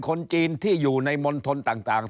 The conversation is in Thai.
คนจีนที่อยู่ในมณฑลต่าง